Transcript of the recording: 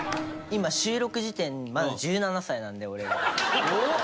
今収録時点でまだ１７歳なんで俺ら。おっ！